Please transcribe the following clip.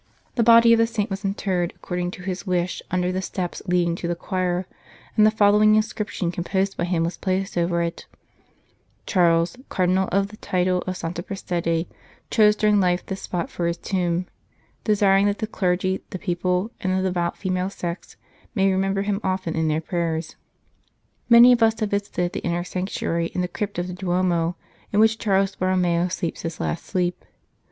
The body of the saint was interred, according to his wish, under the steps leading to the choir, and the following inscription composed by him was placed over it :" Charles, Cardinal of the title of Santa Prassede, chose during life this spot for his tomb, desiring that the clergy, the people, and the devout female sex, may remember him often in their prayers." Many of us have visited the inner sanctuary in the crypt of the Duomo in which Charles Borromeo sleeps his last sleep.